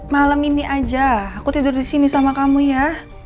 malem ini aja aku tidur disini sama kamu ya